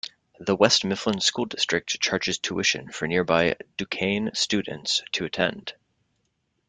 The West Mifflin School District charges tuition for nearby Duquesne students to attend.